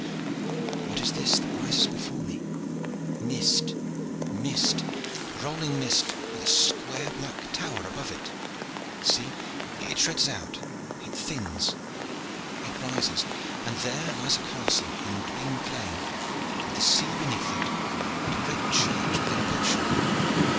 What is this that rises before me? Mist, mist, rolling mist with a square black tower above it. See it shreds out, it thins, it rises, and there lies a castle in green plain, with the sea beneath it, and a great church within a bow shot.